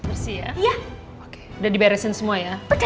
udah diberesin semua ya